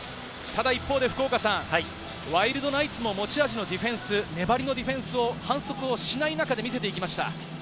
一方で福岡さん、ワイルドナイツも持ち味のディフェンス、粘りのディフェンスを反則しない中で見せていきました。